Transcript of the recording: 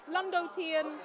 lần đầu tiên